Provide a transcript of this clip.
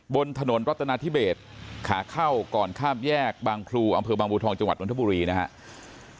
บนถนนรัตนาธิเบสขาเข้าก่อนข้ามแยกบางครูอำเภอบางบูทองจังหวัดนทบุรีนะครับ